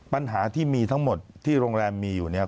ปัญหาที่มีทั้งหมดที่โรงแรมมีอยู่เนี่ย